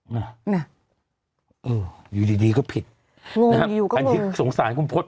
น่ะน่ะเอออยู่ดีก็ผิดงงอยู่ก็อันที่สงสารคุณพลส